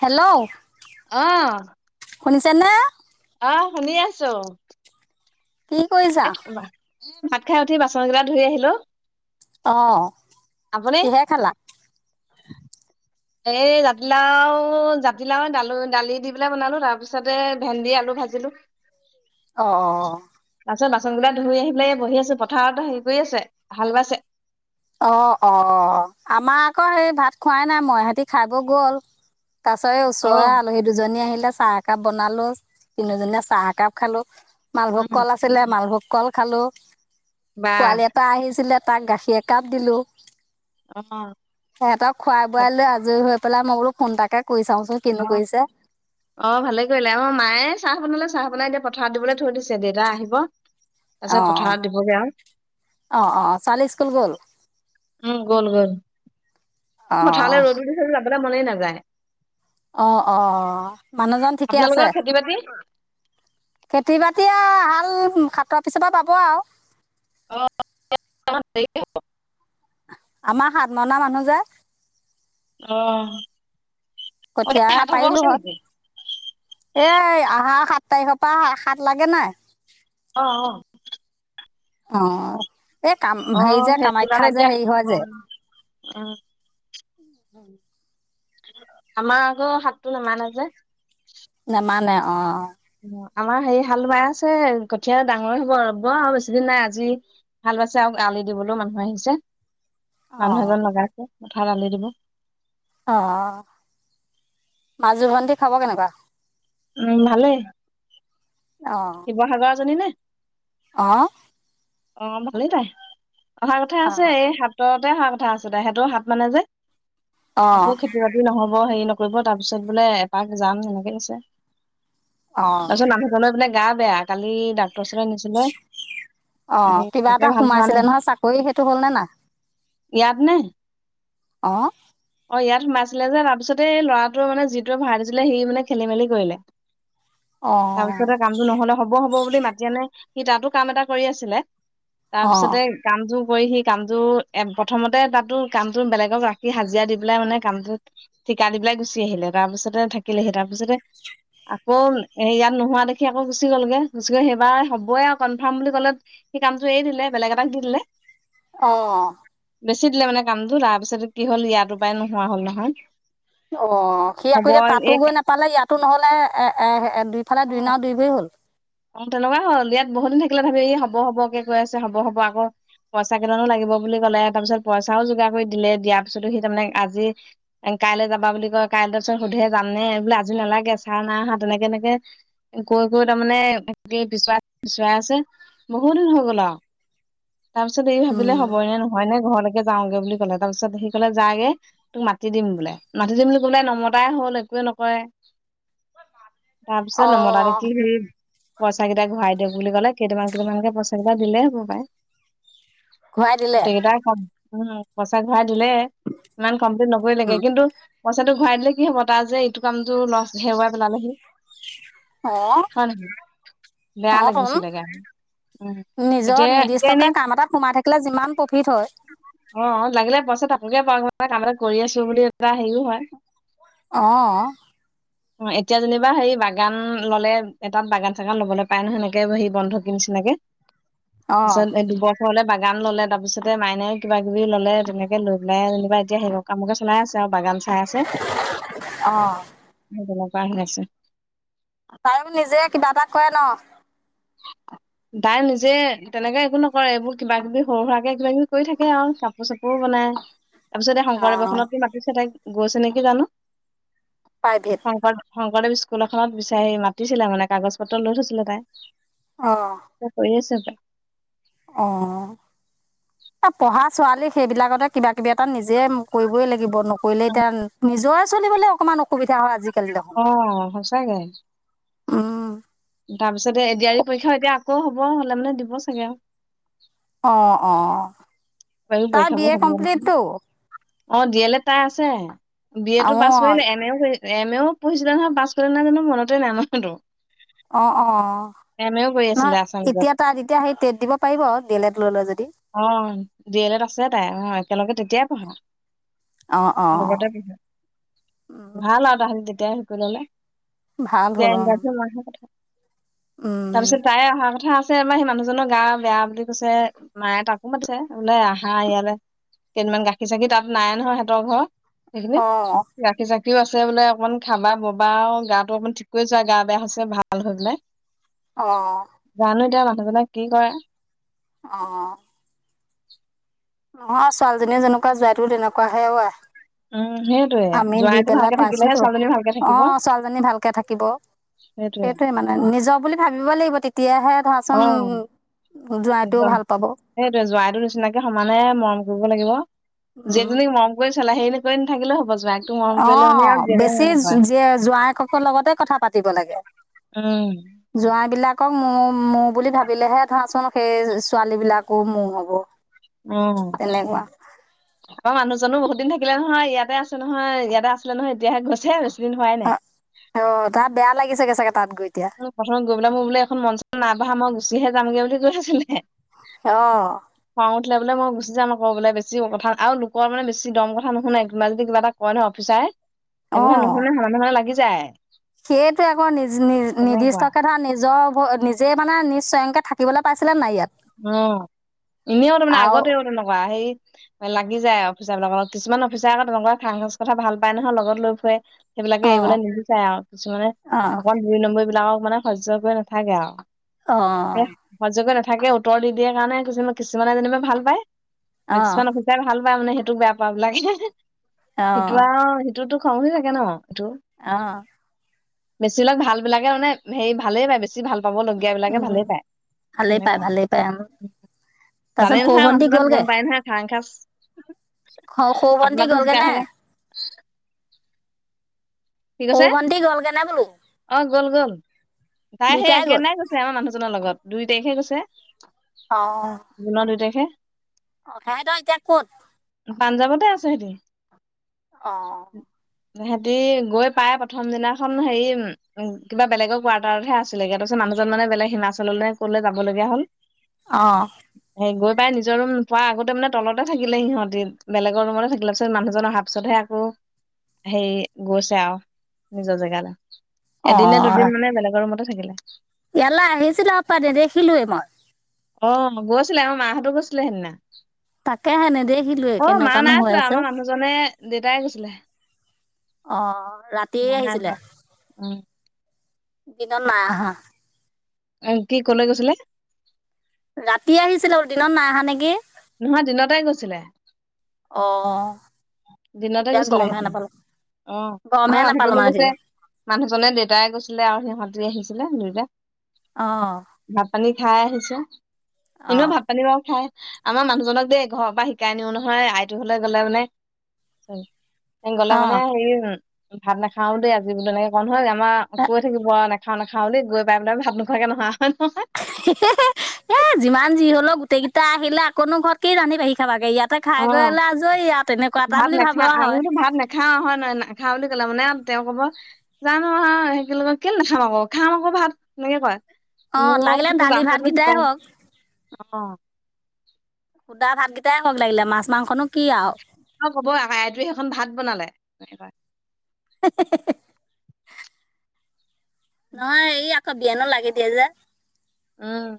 Hello আহ শুনিছে নে আহ শুনি আছো। কি কৰিছা? এ ভাত খাই উঠি বাচন কেইটা ধুই আহিলো। অ কিহে খালা? উ এই জাতিলাও জাতিলাওাল দালি দি পেলাই বনালো তাৰপিছতে ভেন্দি আলু ভাজিলোঁ। অ অ তাৰিছত বাচন বিলাক ধুই আহি পেলাই বহি আছো পথাৰতো হেৰি কৰি আছে হাল বাইছে। অ অ আমাৰ আকৌ সেই ভাত খোৱাই নাই মই সতি খাই ব গ'ল তাৰ পছ এই অ ওচৰৰে আলহী দুজনী আহিলে। চাহ একাপ বনালো তিনিজনীয়ে চাহ একাপ খালো। মালভোগ উম কল আছিলে মালভোগ কল খালোঁ। বা পোৱালি এ পৰা আহিছিলে। তাক গাখীৰ কাপ দিলোঁ। অ সিহঁতক খুৱাই বোৱাই তাকে। লৈ আজৰি হৈ পেলাই মো ফোন এটাকে। কৰি চাওঁচোন কিনো অ কৰিছে অ ভালে কৰিলে আমাৰ মায়ে চাহ বনালে চাহ- মাই দিয়া পথাৰত দিবলৈ থৈ দিছে দেউতা আহিব। পিছত আহ পথাৰত দিবগে আৰু আহ আহ ছোৱালি স্কুল গ'ল। অঁ মাথাৰ' ৰ'দদিছে জানো আ মনেই নাযায় অ অ মানুহজন ঠিকে আছে আপোনালোকৰ খেতি বাতি কেতিয়াবা- এতিয়া হাল খাতৰ পিছৰ পৰা পাব আৰু অঁহ [unintelligible] আমাৰ সাত মনা মানুহ যে। আহ কঠীয়া পাৰিলো হত এ আহাৰ সাত তাৰিখৰ পৰা সাত লাগে নাই? অ অ অ এই কাম অ হেৰি যে কামাখ্যা যে হেৰি হয় যে আহ উম আমাৰ আকৌ শাতটো নামানে যে নেমানে অঁ আমাৰ হেৰি হাল বাই আছে কঠীয়া ডাঙৰে হ'ব ৰব আৰু বেছি দিন নাই আজি হাল বাইছেক আলি দিবলৈও মানুহে আহিছে। মানুহ অঁ এজন লগাইছে। পথাৰত আলি দিব অ মাজো ভন্টিৰ খাব কেনেকুৱা? উম ভালে। শিৱসাগৰ এজনী নে? আহ অ ভালেই তাই। অহা কথা আছে অঁ এই হাততে অহা কথা কথা আছে দে সেত হাত মানে যে অঁ একো খেতি বাতি নহ'ব হ হেৰি নকৰিব তাৰ পিছত বোলে এপাক যাম এনেকে কৈছে। অঁ তাৰপিছত মানুহজনে বোলে। গা বেয়া কালি ডা অ সেই কিবা তাকে এটা ভাল হোৱা নাই। সোমাইছিলে নহয় চাকৰি সেইটো হ'লনে না? ইয়াত নে আহ অ ইয়াত সোমাইছিলে যে তাৰ পিছতে ল'ৰাটোৱে মানে যিটোৱে ভড়া দিছিলে সি মানে খেলি মেলি কৰিলে। অঁ তাৰপিছতে কামটো নহলে হ'ব হ'ব বুলি মাতি আনে সি তাতো কাম এটা কৰি আছিলে অঁ তাৰপিছতে কামযু কৰি সি কামটো এ প্ৰথমতে তাতো কামটো বেলেগক ৰাখি হাজিৰা দি পেলাই মানে কামটোত ঠিকা দি পেলাই গুচি আহিলে তাৰপিছতে থাকিলেহি তাৰপিছতে আকৌ ইয়াত নোহোৱা দেখি আকৌ গুচি গ'লগে গুচি গৈ সেইবাৰ হবই আৰু কনফাৰ্ম বুলি কলে সেই কামটো এৰি দিলে বেলেগ এটাক দি দিলে। অ বেছি দিলে মানে কামটো তাৰপিছত কি হ'ল ইয়াতো পাই‌ নোহোৱা হ'ল নহয় অ সি আকৌ হ'ব এতিয়া তাতো এই গৈ নাপালে ইয়াত টো নহ'লে এ এ দুইফালে অ দুই না দুই ভৰি হ'ল। অ তেনেকুৱা হ'ল ইয়াত বহুত দিন থাকিলে, ভাবি ই হব হবকে কৈ আছে, হব-হব আকৌ পইচা কেইজনানো লাগিব বুলি কলে তাৰ পিছত পইচাও যোগাৰ কৰি দিলে দিয়াৰ পিছতো সি তাৰমানে আজি কাইলৈ যাবা বুলি কয়, কাইলৈ তাৰ পিছত সোধে যামনে বোলে আজি নালাগে চা না হা তেনেকে এনেকে কৈ-কৈ তাৰমানে, তাকে বিচাৰত-বিছৰাই আছে বহুত দিন হৈ গ'ল আৰু। তাৰ পিছত এই ভাবিলে হব উম, নহয় নে ঘৰলৈ যাওঁগে বুলি কলে তাৰ পিছত সি কলে যাগে তোক মাতি দিম বোলে মাতি দিম বুলি, কলে নমতাই হল একোৱে নকৰে। তাৰপিছ নমতা অ' দেখি। পইচা কেইটা ঘূৰাই দিয়ক বুলি কলে কেইটামান-কেইটামানকে পইচা কেইটা দিলেই ভগাই। ঘূৰাই দিলে গোটেই কেইটাৰ খাম। উম' পইচা ঘূৰাই দিলে ইমান কম্লিট লবই উম, লাগে কিন্তু পইচাটো ঘূৰাই দিলে কি হব তাৰ যে এইটো কামটো লছ হেৰুৱাই পেলালেহি। হা, হয় [inaudible] বেয়া লাগিছিলে গে। নিজৰ নিৰ্দিষ্টকে কাম এটাত সোমাই থাকিলে যিমান প্ৰফিট হয়। ত আপোকে প কাম এটা কৰি আছো বুলি এটা হেৰিও হয়। অহ অ', এতিয়া যেনিবা হেৰি বাগান ললে এটাত বাগান-চাগান লবলৈ পায় ন সেনেকে হে বন্ধ ক নিচিনাকে। অ' তাৰছত এই দুবছৰলে বাগ গান ললে তাৰপিছতে মাইনাইও কিবা-কিবি ললে তেনেকে। লৈ পেলাই যেনা এতিয়া আহিল। কামকে চলাই আছে আৰু। বাগান চাই আছে। অ' কেনেকোৱা শুনিছে। তাই নিজে কিবা এটা কৰে ন। তাই নিজে তেনেকে একো নকৰে, এইবোৰ কিবা-কিবি সৰু সুৰাকে কিবা-কিবি কৰি থাকে আৰু কাপোৰ চাপোৰো বনায়। তাৰিপিছত অ' শংকৰদৱখনত মাতিছে তাইক। গৈছে নেকি জানো। প্ৰাইভেট সংকৰ স লগতে স্কুল এখনত বিচাৰি মাতিছিলে মানে কাগজ পত্ৰ লৈ থৈছিলে তাই। অ' ত কৰিছে তাই। অ' পঢ়া ছোৱালী সেইবিলাকতে কিবা-কিবি এটা নিজে কৰিবই লাগিব নকৰিলে এতিয়া নিজৰে চলিবলে অকমান অসুবিধা হয় আজি। অ' সঁচাকে। উম', তাৰপিছতে এডিয়ী পৰীক্ষাও এতিয়া আকৌ হ'ব হলে মানে দিব চাগে আৰু। অ', অ। বায়ু তাৰ বি পৰীক্ষাবোৰ এ হ'ব কমপ্লিটটো। অ', দিয়েলেট তাৰ আছে। বি এ অ তটো পাছ কৰিলে, এম এ য়ো কৰি এম এ য়ো পঢ়িছিলে নহয়, পাছ কৰিলে নাই জানো মনতে নাই [unintelligible] অ', অ', এম এও কৰি আছিলে নহয় আছামিজত এতিয়া তাত এতিয়া সেই টেট দিব পাৰিব আউ ডিএ লেট ল'লে যদি অ ডি এল এত আছে তাই অ', একেলগে তেতিয়াই পঢ়া। অ অ লগতে উম ভাল আৰু তাহাত তেতিয়াই ভাল হ'ল অ [unintelligible] [unintelligible] উম তাৰপিছত তাই অহা কথা আমাৰ সেই মানুহজনৰ গা বেয়া বুলি কৈছে মায়ে তাকো মাতিছে। বোলে আহা ইয়ালে কেইদিনমান গাখীৰ চাখি তাত নাই নহয়, সিহঁতৰ ঘৰ। সেইখিনিত অ গাখীৰ চাখী সিয়ো আছে বোলে অকণমান খাবা ববা আৰু গাটো অকণমান ঠিক কৰি যোৱা গা বেয়া হৈছে ভাল হৈ পেলাই। অ। [unintelligible] কি কৰে অহ। নহয়, ছোৱালীজনী যেনেকুৱা জোঁৱাইটো তেনেকুৱাহে অ', আই। উম সেইটোয়ে আমি দি জোৱাইটো পেলাই ভালকে থাকিলেহে পাইছোতো ছোৱালীজনী ভালকে থাকিব অ', ছোৱালীজনী ভালকে থাকিব সেইটোয়ে মানে নিজৰ বুলি ভাবিবই লাগিব তেতিয়াহে [unintelligible] জোৱাইটোও ভাল পাব সেইটোৱে জোঁৱাইটো নিচিনাকে সমানে মৰম কৰিব লাগিব। উম জীয়েকজনীক মৰম কৰি [unintelligible] কৰি নাথাকিলেও জোৱাইকটো মৰম কৰিলে মানে আৰু অ', জীয়েকে বেছি মৰম কৰে জী-জোঁৱাইকক লগতে কথা পাত দিব লাগে। উম জোৱাই বিলাক কক মো- মোৰ বুলি ভাবিলেহে ধৰাচোন সেই ছোৱালী বিলাকো মোৰ হ'ব। উম। তেনেকুৱা অ', মানুহজনো বহুত দিন থাকিলে নহয়, ইয়াতে আছে নহয়, ইয়াতে আছিলে নহয় এতিয়া হে গৈছে। দিন হোৱাই নাই অ', অ', তাৰ বেয়া লাগি [unintelligible] প্ৰথম গৈ পেলাই মই বোলে এখন মন চন নাই বহা মই গুচিহে যামগে বুলি কৈ থৈছিলে। অঁ উঠিলে বোলে মই গুচি যাম আকৌ বোলে বেছি কথা আৰু লোকৰ মানে বেছি দম কথা নুশুনে কোনোৱাই যদি কিবা এটা কয় নয়হ অফিচাৰে। সেইবোৰ হে নুশুনে সমানে সমানে লাগি যায় সেইয়েটো আকৌ নিজ নিজ তেনেকুৱা নিৰ্দিষ্টকে ধৰা নিজৰ নিজে মানে নিজ স্বয়ংকে থাকিবলৈ পাইছিলে নাই ইয়াত উম এনেও তাৰ মানে আৰু আগতেওঁ তেনেকুৱা সেই লাগি যায়। কিছুমান অফিচাৰে আকৌ তেনেকোৱা খাৰাঙখাচ কথা ভাল পায় নহয় লগত লৈ ফুৰে। সেইবিলাকে অঁ এৰিবলৈ নিবিচাৰে আৰু কিছুমানে অঁ অকল দুই নম্বৰী বিলাকৰ মানে সহ্য কৰি নাথাকে আৰু অঁ সহ্য কৰি নাথাকে থাকে উত্তৰ দি দিয়াৰ কাৰণে কিমান কিছুমানে যেনিবা ভাল পায় অঁ মেক্সিমাম অফিচাৰে ভাল পায় মানে বেয়া পাওক লাগে সেইটো অঁ আৰু তোতো খঙ উঠি থাকে ন অঁ বেছি বিলাক ভাল বিলাকে মানে হেৰি ভালেই পায় বেছি বেছি ভাল পাব লগগীয়া বিলাকে ভালে পায় ভালেই পায় তেনেকুৱা ভালেই পায় তাৰপিছত জানেই সৰু নহয় ভণ্টি মানুহজনক গম গ'লগৈ পায় নহয় খাৰং খাচ সৰু ভণ্টি আপোনাকো গ'লগৈ জোকাই নে থাকে কি সৰু কৈছে ভণ্টি গ'লগৈ নে বোলো অঁ গ'ল গ'ল তাই সেই দুইটাই গ'ল একেদিনাই গৈছে আমাৰ মানুহজনৰ লগত দুই তাৰিখে গৈছে জুনৰ দুই তাৰখে অঁ সেহেঁতৰ এতিয়া ক'ত পাঞ্জাৱতে আছো সেহতি অঁ সিহঁতি গৈ পাই প্ৰথম দিনাখন হেৰি কিবা বেলেগৰ কোৱাৰ্টাৰতহে আছিলে তাৰপিছত মানুহজন মানে বেলেগ হিমাচললৈ ক'লে যাব লগীয়া হ'ল অঁ সেই গৈ পাই নিজৰ নোপোৱাৰ আগতে মানে তলতে থাকিলে সিহঁত বেলেগৰ ৰুমতে থাকিলে পিছত মানুহজন অহাৰ পিছতহে আকৌ হেৰি গৈছে আৰু নিজৰ জেগাত এদিনে দুদিন মানে বেলেগৰ মতে। থাকিলা। ইয়ালা আহিছিলা প দেখিলো মই। অহ ', গৈছিলে আমাৰ মাহঁতো গৈছিলে সেইদিনা। তাকে হে নেদেখিলো অ মা কেনেকুৱানো নাই হৈ যোৱা আছে আমাৰ মানুহজনে দেউতাই গৈছিলে অহ ', ৰাতিয়ে মা নাই আহিছিলে। যোৱা উম দিনত নাই অহা। অহ ', কি কলে গৈছিলে। ৰাতি আহিছিলে আৰু দিনত নাই অহা নেকি? নহয় দিনতে গৈছিলে। অ দিনতে তেতিয়া গৈছিলে গমহে সিতে নাপালো অহ ', আমাৰ গমহে নাপালো মানুহজনো মানে গৈছে তেতিয়া মানুহজনে দেউতাই গৈছিলে আৰু সিহঁতে আহিছিলে। ছিলা নৰা [unintelligible] অহ ', খাই আহিছো। এনেও ভাত পানী বাৰ খাই। আমাৰ মানুহজনক দেই ঘৰৰ পৰা শিকাই নিও নহয় আইটো হলে গ'লে মানে। চল গলে অ মানে সেই ভাত নাখাও দে আজি তেনেকে ক নহয় জান। আম কৈ থাকিব। খা না বুলি গৈ পাই বোলে ভাত নোখোৱাকৈ নোহোৱা। হে - হে - হে এহ ', যিমান যি হলও। গোটেইকেইটা আহিলে আকনো ঘৰতকেই ৰাধিবাঢ়ি খাবা। ইয়াতে খাই অ কৰিলে আজৰি ই তেনেকুৱা এটা ভাত বুলি নাখা ভাবে আমি হয়। বোলো ভাত নাখাও হয় নহয় [unintelligible] মানে আৰু তেওঁ কব জানো সেইয় কেল নাখাম আকৌ খাম আকৌ ভাত এনেকে কয়। অ', অহ ', লাগিলে দালি ভাতকেইটাই হওক। অহ ', তাত ভাতকেইটাই হও লাগিলে মাছ মাংসনো। কি আৰু কব আকইটোৱে সেইখন ভাত বনালে। তেনেুৱা হে - হে - হে - হে - হে নহয় এই আকৌ বিয়নো লাগে দিয় যে। উম',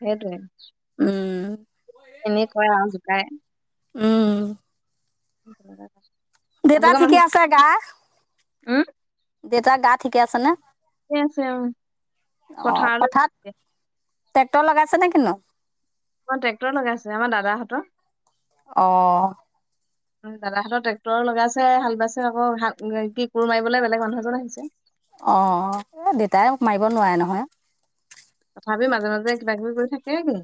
সেইটোৱে। উম', এনেই কয় আৰু জোকাই। উম', উ [unintelligible] দেউতা ঠিকে আছে গা। উম, দেউতা গা ঠিকে আছে নে? ঠিকে আছে অঁ, অ পথাৰলৈ পথাৰত য ট্ৰেক্টৰ লগাইছে নে কিনো। অঁ, ট্ৰেক্টৰ লগাইছিলে, আমাৰ দাদাহঁতৰ। অঁ দাদাহঁতৰ ট্ৰেক্টৰ লগাইছে, হাল বাইছে আকৌ কি কোৰ মাৰিবলৈ বেলেগ মানুহ এজন আহিছে। অঁ, দেউতাই মাৰিব নোৱাৰে নহয়। তথাপি মাজে মাজে কিব কিবি কৰি থাকে গে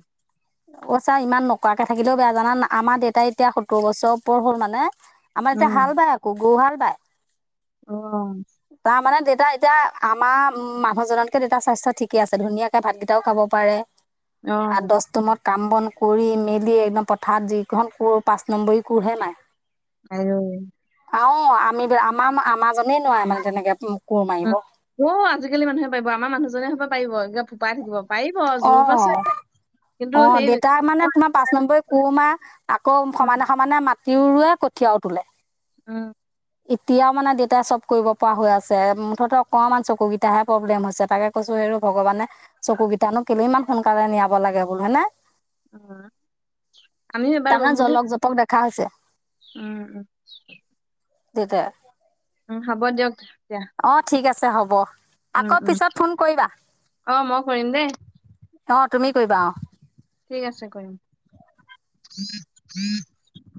অঁ, চা ইমান নকৰাকে থাকিলেও বেয়া জানা নাই, আমাৰ দেউতাই এতিয়া সত্তৰ বছৰ ওপৰ হ'ল মানে। আমাৰ এতিয়া হাল বাই আকৌ, গৰুহাল বাই। অঁ তাৰ মানে দেতা এতিয়া আমাৰ উম মানুহজনতকে দেতাৰ স্বাস্থ্য ঠিকে আছেজ ধুনীয়াকে ভাতকেইটাও খাব পাৰে। অ', আৰু দস্তুৰমত কাম বন কৰি মেলি একদম পথাৰত যিখন কোৰ পাঁচ নম্বৰী কোৰহে মাৰে। আইঔ। অঁ, আমি আমাৰ আমাৰাজনে নোৱাৰে মানে। যেনেকে ক'ৰ আজিকালি মানুহে পাৰিব, আমাৰ মানুহজনে হ'ব পাৰিব, এতিয়া ফোপাই থাকিব। পাৰিব জোৰতো আছে। অঁ কিন্তু অ সেই দেউতা মানে তোমাৰ পাঁচ নম্বৰ কোৰ মাৰে, আকৌ সমানে- সমানে মা তিউ ৰুৱে, কঠীয়াও তোলে। উম্ এতিয়াও মানে দেউতাই চব কৰিব পৰা হৈ আছে, মুঠতে অকণমান চকুকেইটাহে প্ৰব্লেম হৈছে, তাকে কৈছো হেৰ ভগৱানে চকু গী জানো কেলে ইমান সোনকালে নিয়াব লাগে বোলো হয় নে। উম, আমিও এবাৰ তাৰমানে ৰুম বুলি, জলক জপক দেখা হৈছে উম। [unintelligible] উম হ'ব দিয়ক। অ ঠিক ঠিক আছে হ'ব। উম, আকৌ উম, পিছত ফোন কৰিবা অ', মই কৰিম দেই, অঁ তুমি কৰিবা অঁ ঠিক আছে কৰিম। [inaudible]